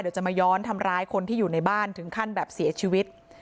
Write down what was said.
เดี๋ยวจะมาย้อนทำร้ายคนที่อยู่ในบ้านถึงขั้นแบบเสียชีวิต